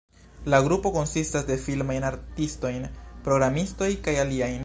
La grupo konsistas de filmajn artistojn, programistoj, kaj aliajn.